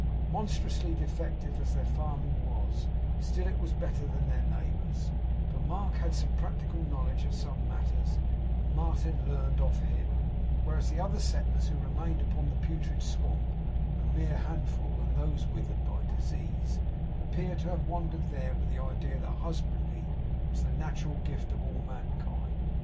Monstrously defective as their farming was, still it was better than their neighbours'; for Mark had some practical knowledge of such matters, and Martin learned of him; whereas the other settlers who remained upon the putrid swamp (a mere handful, and those withered by disease), appeared to have wandered there with the idea that husbandry was the natural gift of all mankind.